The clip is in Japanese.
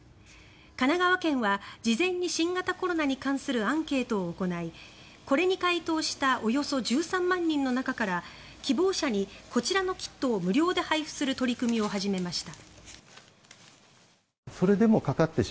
神奈川県は事前に新型コロナに関するアンケートを行いこれに回答したおよそ１３万人の中から希望者にこちらのキットを無料で配布する取り組みを始めました。